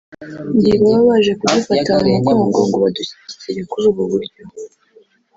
ntibaba baje kudufata mu mugongo ngo badushyigikire kuri ubu buryo